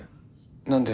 何で？